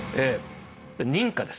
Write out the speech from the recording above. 認可です。